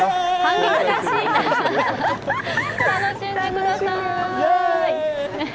楽しんでください。